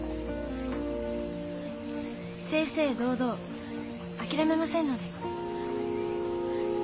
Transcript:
正々堂々諦めませんので。